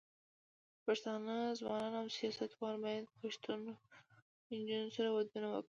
پښتانه ځوانان او سياستوال بايد پښتنو نجونو سره ودونه وکړي.